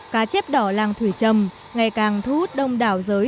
cá chép đỏ làng thủy trầm ngày càng thu hút đông đảo giới